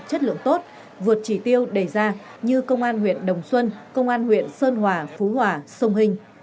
chất lượng tốt vượt chỉ tiêu đề ra như công an huyện đồng xuân công an huyện sơn hòa phú hòa sông hình